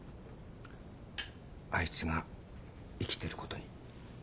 あいつが生きてることに。